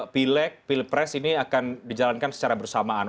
pileg pilpres ini akan dijalankan secara bersamaan